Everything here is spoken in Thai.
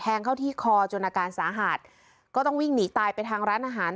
เข้าที่คอจนอาการสาหัสก็ต้องวิ่งหนีตายไปทางร้านอาหาร